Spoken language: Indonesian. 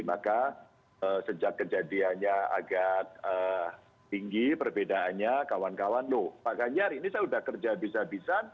maka sejak kejadiannya agak tinggi perbedaannya kawan kawan loh pak ganjar ini saya sudah kerja bisa bisa